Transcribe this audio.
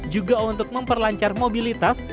juga untuk memperlancar mobilitas